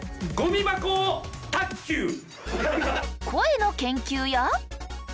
声の研究や。